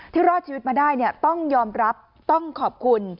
รอดชีวิตมาได้ต้องยอมรับต้องขอบคุณ